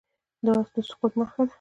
دا د سقوط نښه ده.